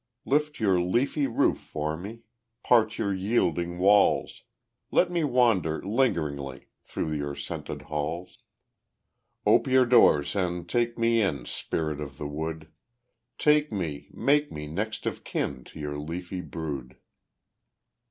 Lift your leafy roof for me, Part your yielding walls, Let me wander lingeringly Through your scented halls. Ope your doors and take me in, Spirit of the wood; Take me make me next of kin To your leafy brood.